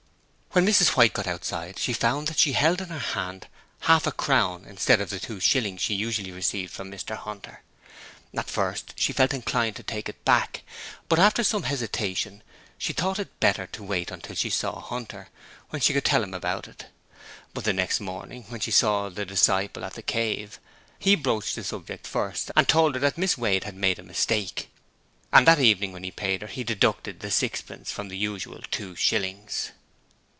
When Mrs White got outside she found that she held in her hand half a crown instead of the two shillings she usually received from Mr Hunter. At first she felt inclined to take it back, but after some hesitation she thought it better to wait until she saw Hunter, when she could tell him about it; but the next morning when she saw the disciple at 'The Cave' he broached the subject first, and told her that Miss Wade had made a mistake. And that evening when he paid her, he deducted the sixpence from the usual two shillings.